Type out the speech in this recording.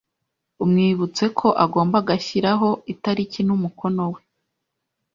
Umwibutseko agomba agashyiraho itariki n’umukono we.